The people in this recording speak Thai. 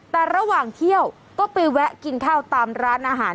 แต่ระหว่างเที่ยวก็ไปแวะกินข้าวตามร้านอาหาร